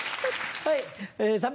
はい。